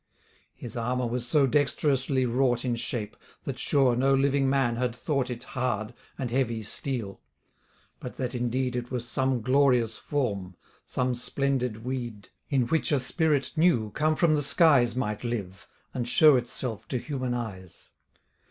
His armour was so dexterously wrought In shape, that sure no living man had thought It hard, and heavy steel: but that indeed It was some glorious form, some splendid weed, In which a spirit new come from the skies Might live, and show itself to human eyes.